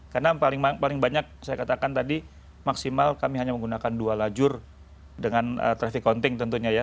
karena paling banyak saya katakan tadi maksimal kami hanya menggunakan dua lajur dengan traffic counting tentunya ya